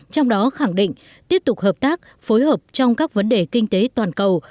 trong đó khẳng định tiếp tục hợp tác phối hợp trong các vấn đề kinh tế toàn cầu